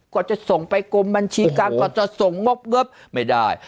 ก็จะส่งไปกรมบัญชีการก็จะส่งงบไม่ได้